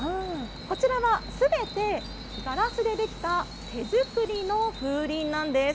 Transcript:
こちらはすべてガラスで出来た手作りの風鈴なんです。